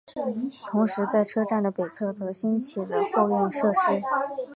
同时在车站的北端则兴起了货运设施。